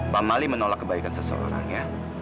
pak mali menolak kebaikan seseorang ya